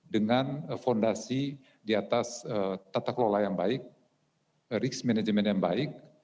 dengan fondasi di atas tata kelola yang baik risk management yang baik